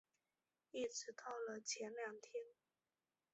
一直到了前两天